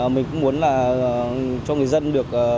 mình cũng muốn cho người dân được